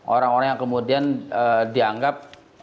orang orang yang kemudian dianggap